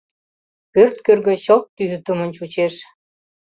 Пӧрт кӧргӧ чылт тӱсдымын чучеш.